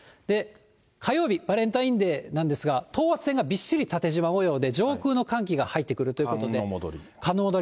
火曜日、バレンタインデーなんですが、等圧線がびっしり縦じま模様で上空の寒気が入ってくるということ寒の戻り。